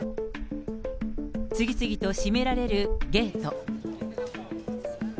次々と閉められるゲート。